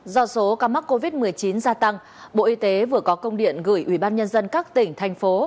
do số ca mắc covid một mươi chín gia tăng bộ y tế vừa có công điện gửi ubnd các tỉnh thành phố